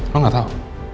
lo gak tau